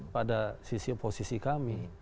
pada sisi oposisi kami